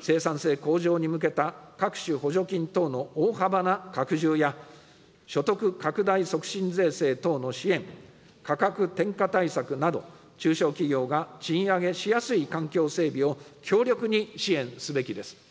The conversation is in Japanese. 生産性向上に向けた各種補助金等の大幅な拡充や、所得拡大促進税制等の支援、価格転嫁対策など、中小企業が賃上げしやすい環境整備を強力に支援すべきです。